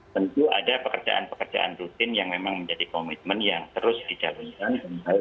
tentu ada pekerjaan pekerjaan rutin yang memang menjadi komitmen yang terus dijalankan